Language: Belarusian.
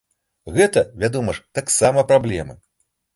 Гэта, вядома ж, таксама праблема.